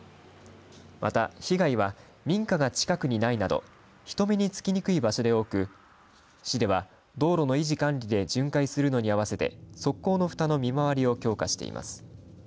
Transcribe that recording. また被害は民家が近くにないなど人目につきにくい場所で多く市では、道路の維持管理で巡回するのに合わせて側溝のふたの見回りを強化しています。